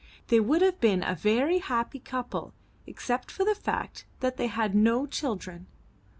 They would have been a very happy couple except for the fact that they had no children.